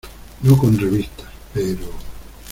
no con revistas, pero...